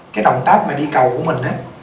cái động tác mà đi cầu của mình á